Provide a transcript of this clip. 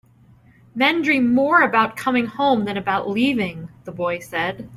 "Men dream more about coming home than about leaving," the boy said.